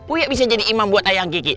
uya bisa jadi imam buat ayang kiki